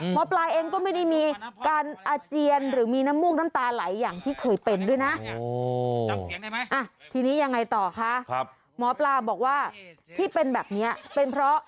หมอปลาเองก็ไม่ได้มีการอาเจียนหรือมีน้ำมูกน้ำตาไหลอย่างที่เคยเป็นด้วยนะ